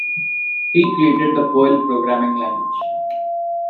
He created the Perl programming language.